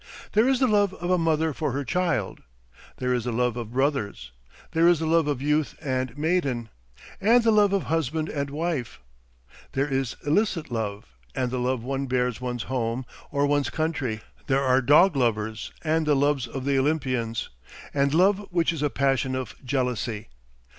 There is the love of a mother for her child, there is the love of brothers, there is the love of youth and maiden, and the love of husband and wife, there is illicit love and the love one bears one's home or one's country, there are dog lovers and the loves of the Olympians, and love which is a passion of jealousy.